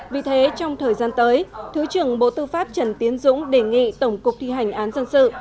vì thế trong thời gian tới thứ trưởng bộ tư pháp trần tiến dũng đề nghị tổng cục thi hành án dân sự